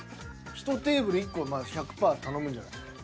１テーブル１個１００％頼むんじゃないですか？